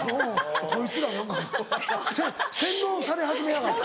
こいつら何か洗脳され始めやがった。